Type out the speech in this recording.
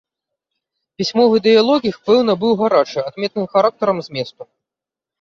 Пісьмовы дыялог іх, пэўна, быў гарачы, адметны характарам зместу.